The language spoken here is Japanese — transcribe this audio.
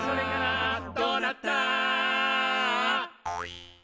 「どうなった？」